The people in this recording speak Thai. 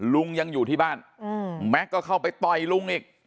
ลุงยังอยู่ที่บ้านแม็กซ์ก็เข้าไปต่อยลุงอีก